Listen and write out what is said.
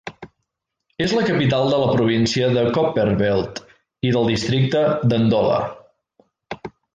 És la capital de la província de Copperbelt i del districte de Ndola.